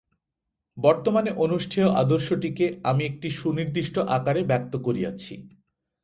বর্তমানে অনুষ্ঠেয় আদর্শটিকে আমি একটি সুনির্দিষ্ট আকারে ব্যক্ত করিয়াছি।